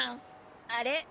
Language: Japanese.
あれ？